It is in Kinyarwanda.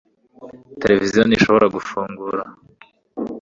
Televiziyo ntishobora gufungura